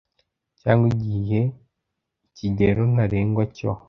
cyangwa igihe ikigero ntarengwa cyo